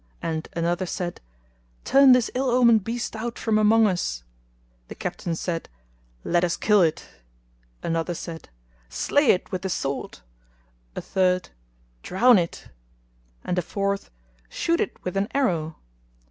and another said, "Turn this ill omened beast out from among us;" the Captain said, "Let us kill it!" another said, "Slay it with the sword;" a third, "Drown it;" and a fourth, "Shoot it with an arrow."